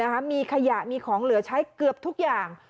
มีขยะมีของเหลือใช้เกือบทุกอย่าง